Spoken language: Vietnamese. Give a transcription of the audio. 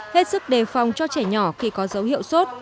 hết sức đề phòng cho trẻ nhỏ khi có dấu hiệu sốt